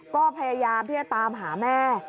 ก็พยายามที่จะตามหาแม่